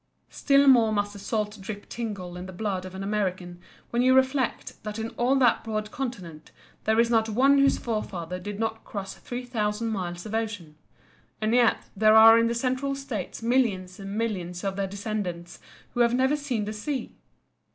Still more must the salt drop tingle in the blood of an American when you reflect that in all that broad continent there is not one whose forefather did not cross 3000 miles of ocean. And yet there are in the Central States millions and millions of their descendants who have never seen the sea.